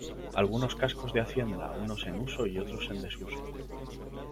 Algunos cascos de haciendas unos en uso y otros en desuso.